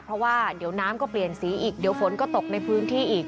เพราะว่าเดี๋ยวน้ำก็เปลี่ยนสีอีกเดี๋ยวฝนก็ตกในพื้นที่อีก